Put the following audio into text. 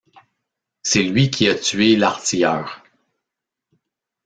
C’est lui qui a tué l’artilleur.